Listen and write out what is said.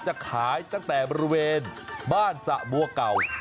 จะขายตั้งแต่บริเวณบ้านสะบัวเก่า